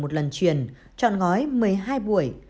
một lần truyền trọn gói một mươi hai buổi